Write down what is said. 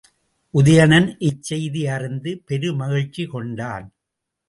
உதயணன் இச் செய்தி அறிந்து பெருமகிழ்ச்சி கொண்டான்.